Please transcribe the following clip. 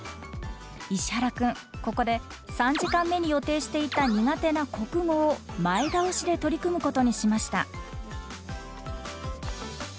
石原君ここで３時間目に予定していた苦手な国語を前倒しで取り組むことにしました。